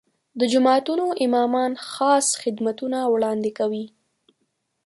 د جوماتونو امامان خاص خدمتونه وړاندې کوي.